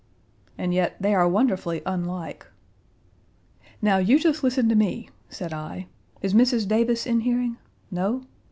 "And yet they are wonderfully unlike." "Now you just listen to me," said I. "Is Mrs. Davis in hearing no?